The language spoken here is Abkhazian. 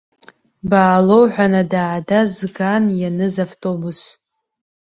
Баалоу ҳәа нада-аада зган ианыз автобус.